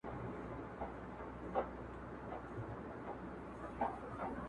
له ټولو بېل یم، د تیارې او د رڼا زوی نه یم.